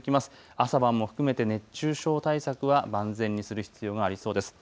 朝晩も含めて熱中症対策は万全にする必要がありそうです。